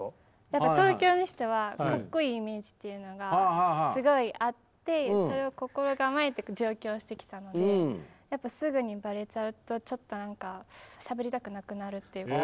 やっぱ東京の人はかっこいいイメージというのがすごいあってそれを心構えて上京してきたのでやっぱすぐにバレちゃうとちょっと何かしゃべりたくなくなるっていうか。